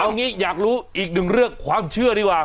เอางี้อยากรู้อีกหนึ่งเรื่องความเชื่อดีกว่า